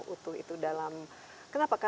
utuh itu dalam kenapa